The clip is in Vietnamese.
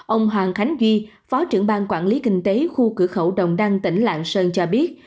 ông hoàng khánh duy phó trưởng bang quản lý kinh tế khu cửa khẩu đồng đăng tỉnh lạng sơn cho biết